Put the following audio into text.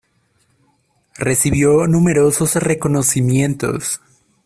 Recibió numerosos reconocimientos.